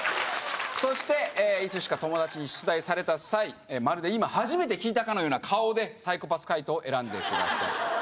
そしていつしか友達に出題された際まるで今初めて聞いたかのような顔でサイコパス回答を選んでください